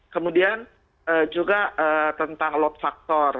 kemudian juga tentang load factor